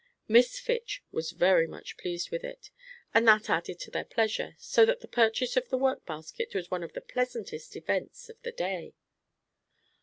Miss Fitch was very much pleased with it, and that added to their pleasure, so that the purchase of the work basket was one of the pleasantest events of the day.